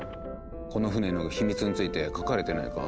この船の秘密について書かれてないか？